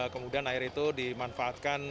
kemudian air itu dimanfaatkan